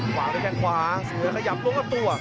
ขวาด้วยแค่ขวาเสือขยับลงกับตัว